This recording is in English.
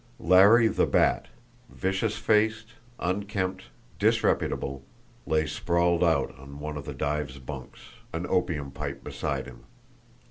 Larry the Bat, vicious faced, unkempt, disreputable, lay sprawled out on one of the dive's bunks, an opium pipe beside him.